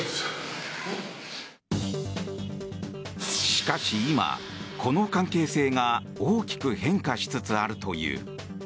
しかし今、この関係性が大きく変化しつつあるという。